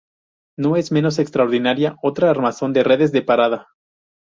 No es menos extraordinaria otra armazón de Redes de parada.